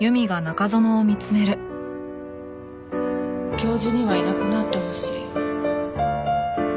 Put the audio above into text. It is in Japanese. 教授にはいなくなってほしい。